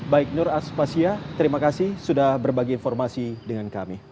baik nur aspasya terima kasih sudah berbagi informasi dengan kami